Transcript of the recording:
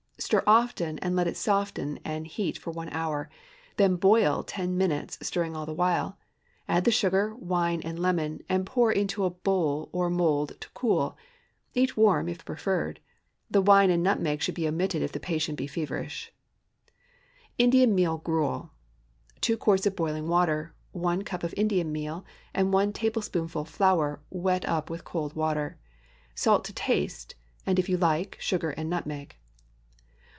Stir often, and let it soften and heat for one hour. Then boil ten minutes, stirring all the while; add the sugar, wine, and lemon, and pour into a bowl or mould to cool. Eat warm, if preferred. The wine and nutmeg should be omitted if the patient be feverish. INDIAN MEAL GRUEL. ✠ 2 quarts of boiling water. 1 cup of Indian meal, and 1 tablespoonful flour, wet up with cold water. Salt to taste—and, if you like, sugar and nutmeg.